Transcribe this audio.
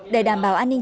để đảm bảo an ninh